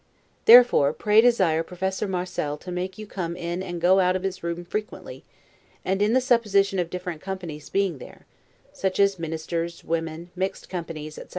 Therefore, pray desire Professor Marcel to make you come in and go out of his room frequently, and in the supposition of different companies being there; such as ministers, women, mixed companies, etc.